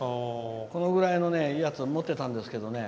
このくらいのやつを持ってたんですけどね